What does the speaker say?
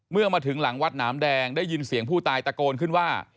เมื่อมาถึงหลังวัดหนามแดงได้ยินเสียงผู้ตายตะโกนขึ้นว่า